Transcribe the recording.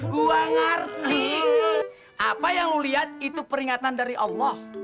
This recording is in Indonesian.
gua ngerti apa yang lo lihat itu peringatan dari allah